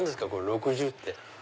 「６０」って。